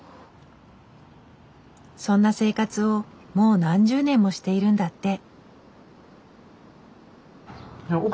そんな生活をもう何十年もしているんだって。